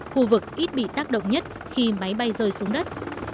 khu vực ít bị tác động nhất khi máy bay rơi xuống đất